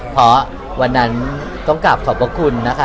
เพราะวันนั้นต้องกลับขอบพระคุณนะคะ